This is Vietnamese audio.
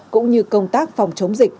cũng như công tác phòng chống dịch